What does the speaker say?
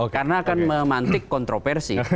karena akan memantik kontroversi